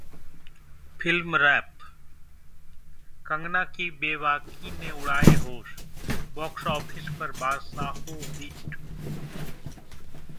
Film Wrap: Kangana की बेबाकी ने उड़ाए होश, Box office पर बादशाहो हिट